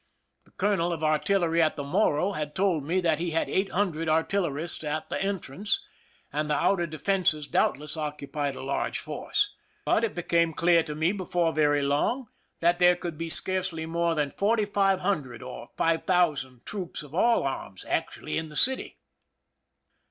The colonel of artillery at the Morro had told me that he had eight hundred artillerists at the en trance, and the outer defenses doubtless occupied a large force; but it became clear to me before very long that there could be scarcely more than forty five hundred or five thousand troops of all arms actually in the city.